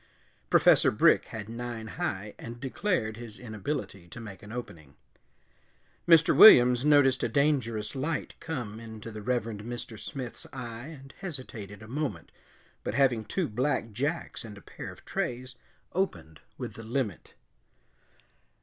Professor Brick had nine high and declared his inability to make an opening. Mr. Williams noticed a dangerous light come into the Reverend Mr. Smith's eye and hesitated a moment, but having two black jacks and a pair of trays, opened with the limit.